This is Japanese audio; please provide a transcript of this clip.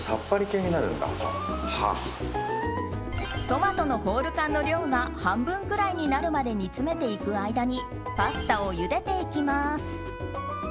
トマトのホール缶の量が半分くらいになるまで煮詰めていく間にパスタをゆでていきます。